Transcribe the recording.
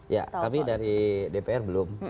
ya kami dari dpr belum